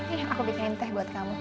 eh aku bikin teh buat kamu